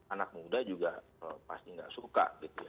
anak muda juga pasti tidak suka